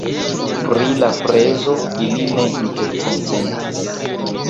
Pri la prezo ili ne interkonsentis.